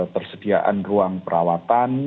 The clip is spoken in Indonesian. tersediaan ruang perawatan